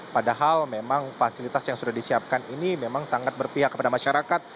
padahal memang fasilitas yang sudah disiapkan ini memang sangat berpihak kepada masyarakat